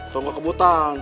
atau gak kebutang